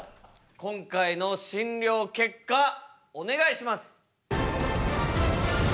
今回の診りょう結果お願いします。